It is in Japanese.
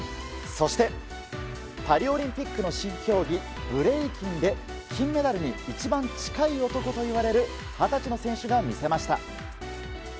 そして、パリオリンピックの新競技ブレイキンで金メダルに一番近い男といわれる二十歳の選手が見せました。